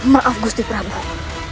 maaf gusti prabuh